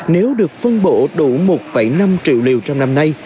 nếu được phân bổ đủ một năm triệu liều trong năm nay